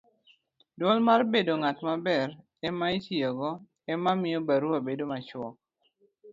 duol mar bedo ng'at maber ema itiyogo ema miyo barua bedo machuok